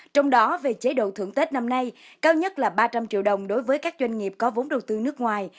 trong đó về chế độ thưởng tết năm nay cao nhất là ba trăm linh triệu đồng đối với các doanh nghiệp có vốn đầu tư nước ngoài